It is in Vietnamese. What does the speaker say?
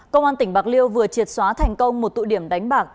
công an tỉnh bạc liêu vừa triệt xóa thành công một tụ điểm đánh bạc